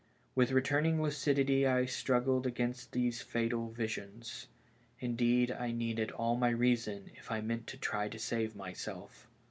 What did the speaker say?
With returning lucidity I struggled against these fatal visions. Indeed, I needed all my reason if I meant to try to save myself.